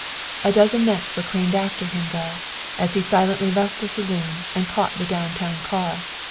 A dozen necks were craned after him, though, as he silently left the saloon and caught the down town car.